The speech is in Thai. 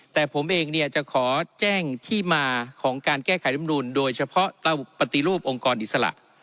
แต่ผมเองเนี่ยจะขอแจ้งที่มาของการแก้ไขรำนูลโดยเฉพาะปฏิรูปองค์กรอิสระ